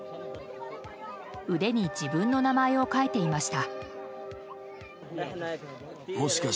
腕に自分の名前を書いていました。